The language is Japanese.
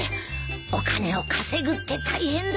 お金を稼ぐって大変だなぁ。